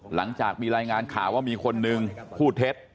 หลังจากมีรายงานข่าวว่ามีคนนึงพูดเท็จ